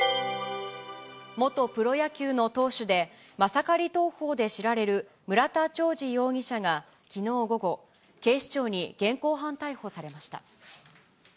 元プロ野球の投手で、マサカリ投法で知られる村田兆治容疑者がきのう午後、警視庁に現行犯逮捕されました。